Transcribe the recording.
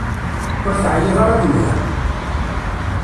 Ur teɛyiḍ ara di lhemm?